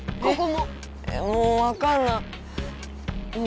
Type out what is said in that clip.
もうわかんない。